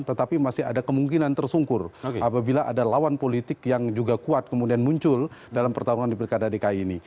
tetapi masih ada kemungkinan tersungkur apabila ada lawan politik yang juga kuat kemudian muncul dalam pertarungan di pilkada dki ini